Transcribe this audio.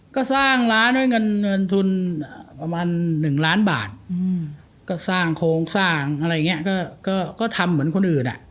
ก็สร้างร้านด้วยเงินเงินทุนประมาณ๑ล้านบาทก็สร้างโครงสร้างอะไรอย่างนี้ก็ก็ทำเหมือนคนอื่นอ่ะ